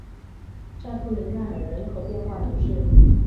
沙托雷纳尔人口变化图示